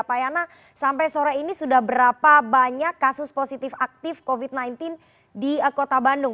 pak yana sampai sore ini sudah berapa banyak kasus positif aktif covid sembilan belas di kota bandung